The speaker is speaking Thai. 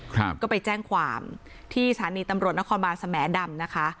ครับก็ไปแจ้งความที่สถานีตำรวจนครบานสแหมดำนะคะ